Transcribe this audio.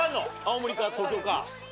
青森か東京か。